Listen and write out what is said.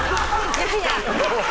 いやいや。